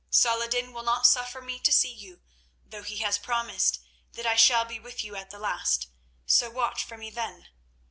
Saladin will not suffer me to see you, though he has promised that I shall be with you at the last, so watch for me then.